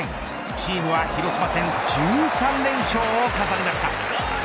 チームは広島戦１３連勝を飾りました。